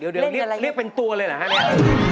เดี๋ยวเรียกเป็นตัวเลยเหรอฮะเนี่ย